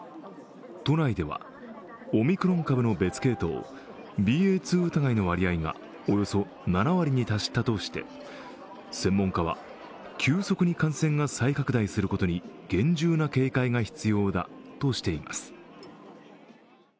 都内ではオミクロン株の別系統、ＢＡ．２疑いの割合がおよそ７割に達したとして、専門家は急速に感染が再拡大することに厳重な警戒が必要だとしています。